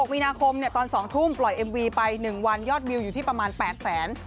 มีนาคมตอน๒ทุ่มปล่อยเอ็มวีไป๑วันยอดวิวอยู่ที่ประมาณ๘แสน